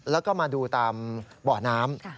และก็มาดูตามบ่อน้ำ